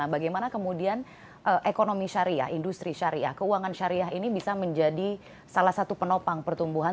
bagaimana kemudian ekonomi syariah industri syariah keuangan syariah ini bisa menjadi salah satu penopang pertumbuhan